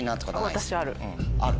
私ある。